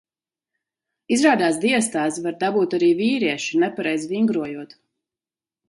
Izrādās diastāzi var dabūt arī vīrieši, nepareizi vingrojot.